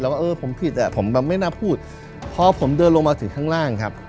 ว่าเออผมผิดอ่ะผมแบบไม่น่าพูดพอผมเดินลงมาถึงข้างล่างครับ